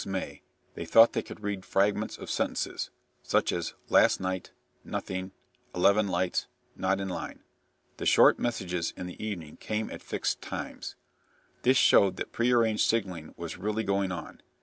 Once or twice, on 26 May, they thought they could read fragments of sentences, such as "Last night nothing eleven lights not in line." The short messages in the evening came at fixed times. This showed that prearranged signalling was really going on.